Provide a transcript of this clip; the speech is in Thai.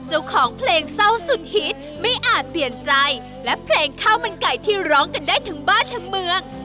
เจ้าของเพลงเศร้าสุดฮิตไม่อาจเปลี่ยนใจและเพลงข้าวมันไก่ที่ร้องกันได้ทั้งบ้านทั้งเมือง